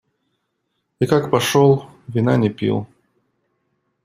И как пошел, вина не пил.